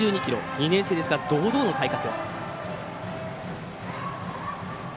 ２年生ですが堂々の体格。